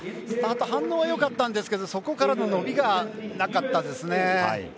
スタート反応はよかったんですけどそこからの伸びがなかったですね。